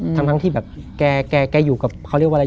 ทั้งที่แบบแกอยู่กับเขาเรียกว่าอะไร